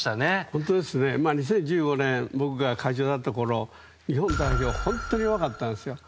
本当ですね、２０１５年僕が会長になったころ日本代表は本当に弱かったんですよ。